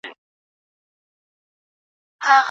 د پایلیک لپاره باید سمه موضوع وټاکل سي.